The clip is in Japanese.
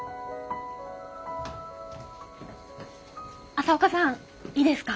朝岡さんいいですか？